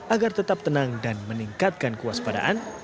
agar tetap tenang dan meningkatkan kewaspadaan